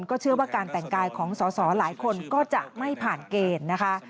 ก็เชื่อว่าการแต่งกายของสอสอหลายคนก็จะไม่ผ่านเกณฑ์นะคะ